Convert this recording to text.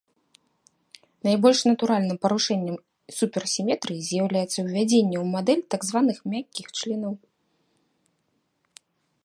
Найбольш натуральным парушэннем суперсіметрыі з'яўляецца ўвядзенне ў мадэль так званых мяккіх членаў.